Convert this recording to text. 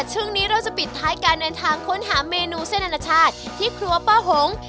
ช่วงนี้เราจะปิดท้ายการเดินทางค้นหาเมนูเส้นอนาชาติที่ครัวป้าหง